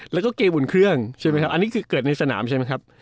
แล้วก็เกมอุ่นเครื่องใช่ไหมครับอันนี้คือเกิดในสนามใช่ไหมครับ